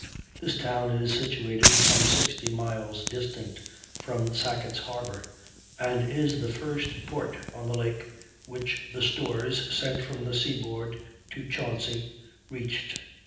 This town is situated some 60 miles distant from Sackett's Harbor, and is the first port on the lake which the stores, sent from the seaboard to Chauncy, reached.